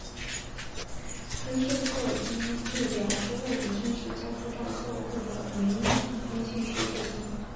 喷射客机列表收录已正式交付到客户的民用喷气式客机。